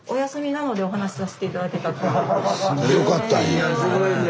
いやすごいね。